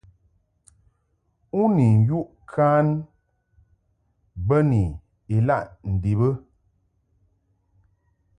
U ni yuʼ kan bə ni ilaʼ ndib ɨ ?